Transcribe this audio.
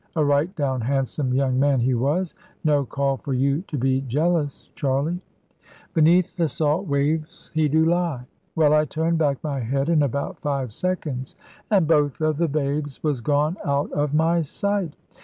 A right down handsome young man he was no call for you to be jealous, Charley. Beneath the salt waves he do lie. Well, I turned back my head in about five seconds, and both of the babes was gone out of my sight!